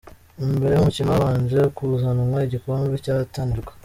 Mbere y'umukino habanje kuzanwa igikombe cyahatanirwaga.